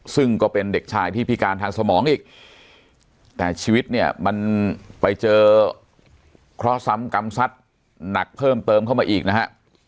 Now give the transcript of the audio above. ซึ่งก็เป็นเด็กชายที่พิการทางสมองอีกแต่ชีวิตเนี่ยมันไปเจอเคราะห์ซ้ำกรรมสัตว์หนักเพิ่มเติมเข้ามาอีกนะฮะ